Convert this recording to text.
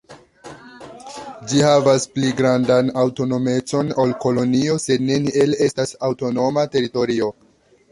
Ĝi havas pli grandan aŭtonomecon ol kolonio, sed neniel estas aŭtonoma teritorio.